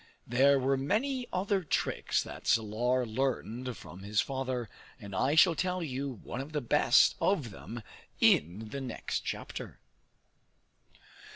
There were many other tricks that Salar learned from his father, and I shall tell you one of the best of them in the next chapter.